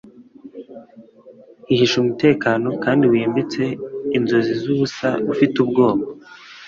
Hihishe umutekano kandi wimbitse Inzozi zubusa Ufite ubwoba